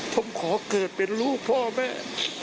ผมขอเกิดเป็นลูกพ่อแม่